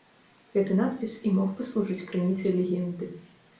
Гэты надпіс і мог паслужыць крыніцай легенды.